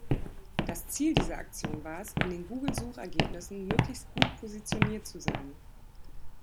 Das Ziel dieser Aktion war es, in den Google-Suchergebnissen möglichst gut positioniert zu sein.